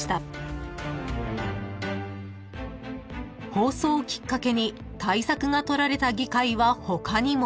［放送をきっかけに対策がとられた議会は他にも］